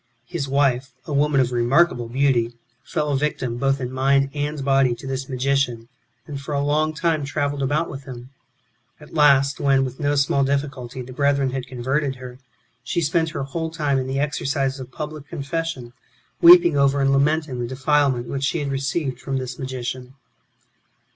His wife, a woman of remarkable beauty, fell a victim both in mind and body to this magician, and, for a long time, travelled about with him. At last, when, with no small difficulty, the brethren had converted her, she spent her whole time in the exercise of public confession, weeping over and lamenting the defilement which she had received from this magician.